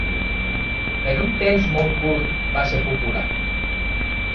Per un temps molt curt va ser popular.